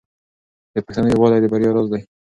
د پښتنو یووالی د بریا راز دی.